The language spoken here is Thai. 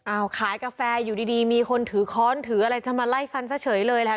เอาขายกาแฟอยู่ดีมีคนถือค้อนถืออะไรจะมาไล่ฟันซะเฉยเลยแหละ